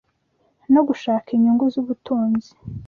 no gushaka inyungu z’ubutunzi